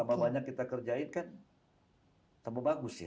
tambah banyak kita kerjain kan tambah bagus ya